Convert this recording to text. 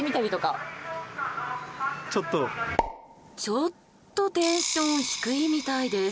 ちょっとテンション低いみたいです。